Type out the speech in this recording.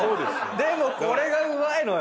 でもこれがうまいのよ！